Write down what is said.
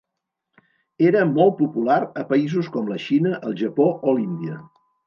Era molt popular a països com la Xina, el Japó o l'Índia.